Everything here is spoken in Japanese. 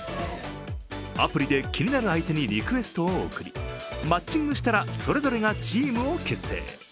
アプリで気になる相手にリクエストを送りマッチングしたら、それぞれがチームを結成。